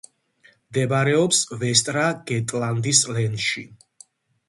მდებარეობს ვესტრა-გეტლანდის ლენში.